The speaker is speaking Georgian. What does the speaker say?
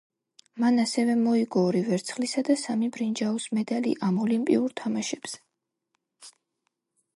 მან ასევე მოიგო ორი ვერცხლისა და სამი ბრინჯაოს მედალი ამ ოლიმპიურ თამაშებზე.